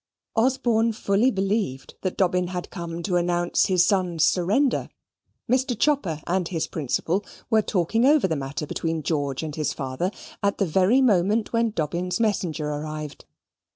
Osborne fully believed that Dobbin had come to announce his son's surrender. Mr. Chopper and his principal were talking over the matter between George and his father, at the very moment when Dobbin's messenger arrived.